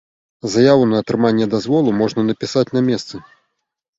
Заяву на атрыманне дазволу можна напісаць на месцы.